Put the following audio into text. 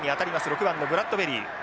６番のブラッドベリー。